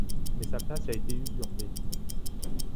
Mais sa place a été usurpée.